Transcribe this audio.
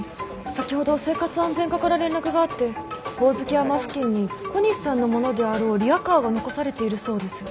先ほど生活安全課から連絡があってホオズキ山付近に小西さんのものであろうリアカーが残されているそうです。